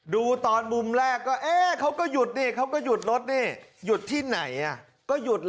ดูตอนมุมแรกก็เอ๊ะเขาก็หยุดนี่เขาก็หยุดรถนี่หยุดที่ไหนก็หยุดเหรอ